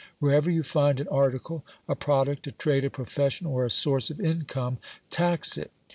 Wherever you find an article, a product, a trade, a profession, or a source of income, tax it!